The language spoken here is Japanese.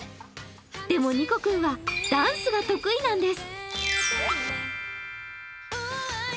でも、にこ君はダンスが得意なんです。